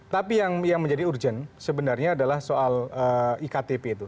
tapi yang menjadi urgent sebenarnya adalah soal iktp itu